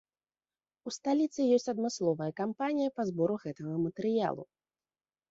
У сталіцы ёсць адмысловая кампанія па збору гэтага матэрыялу.